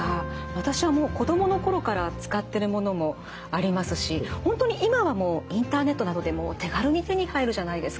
私はもう子供の頃から使ってるものもありますし本当に今はもうインターネットなどでも手軽に手に入るじゃないですか。